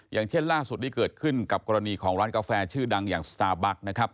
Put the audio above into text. อย่างเช่นล่าสุดที่เกิดขึ้นกับกรณีของร้านกาแฟชื่อดังอย่างสตาร์บัคนะครับ